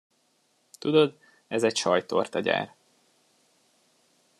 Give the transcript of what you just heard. Tudod, ez egy sajttorta gyár.